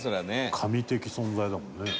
「神的存在だもんね」